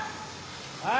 ・はい。